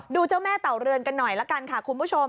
เจ้าแม่เต่าเรือนกันหน่อยละกันค่ะคุณผู้ชม